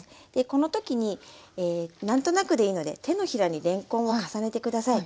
この時に何となくでいいので手のひらにれんこんを重ねて下さい。